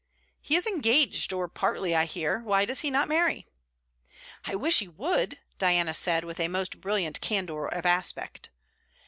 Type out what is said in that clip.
'He is engaged, or partly, I hear; why does he not marry?' 'I wish he would!' Diana said, with a most brilliant candour of aspect.